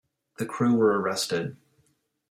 The crew were arrested.